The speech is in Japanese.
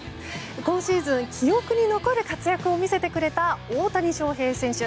今シーズン記憶に残る活躍を見せてくれた大谷翔平選手。